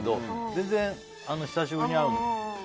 全然、久しぶりに会う子は。